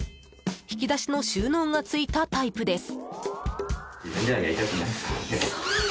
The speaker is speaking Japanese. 引き出しの収納がついたタイプです。